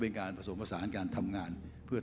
เพราะฉะนั้นเราทำกันเนี่ย